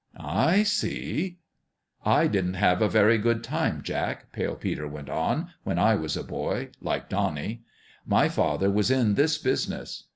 " I see." " I didn't have a very good time, Jack," Pale Peter went on, " when I was a boy like Donnie. My father was in this business.